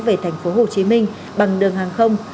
về tp hồ chí minh bằng đường hàng không